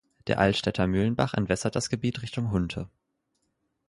Der Eielstädter Mühlenbach entwässert das Gebiet Richtung Hunte.